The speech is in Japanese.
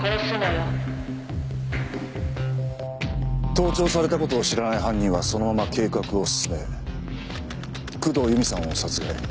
盗聴された事を知らない犯人はそのまま計画を進め工藤由美さんを殺害。